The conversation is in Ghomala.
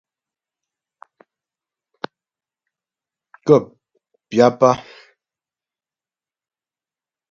Kə́ pyáp á.